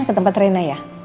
ke tempat rena ya